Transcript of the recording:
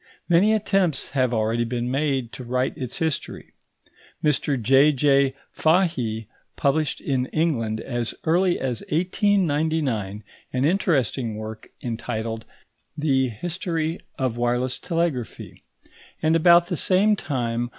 Many attempts have already been made to write its history. Mr J.J. Fahie published in England as early as 1899 an interesting work entitled the History of Wireless Telegraphy; and about the same time M.